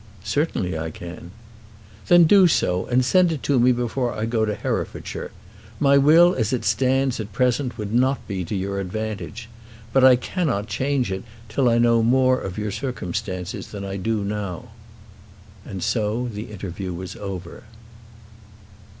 "Certainly I can." "Then do so, and send it to me before I go into Herefordshire. My will as it stands at present would not be to your advantage. But I cannot change it till I know more of your circumstances than I do now." And so the interview was over.